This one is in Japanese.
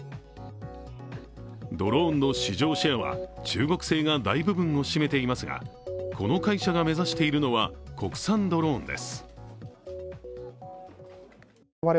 ドローンの市場シェアは中国製が大部分を占めていますがこの会社が目指しているのは国産ドローンです。